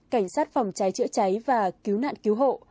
cảnh sát phòng cháy chữa cháy và cứu nạn cứu hộ